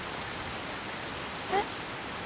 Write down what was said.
えっ。